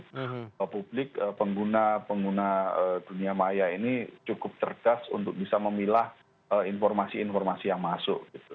publik pengguna pengguna dunia maya ini cukup cerdas untuk bisa memilah informasi informasi yang masuk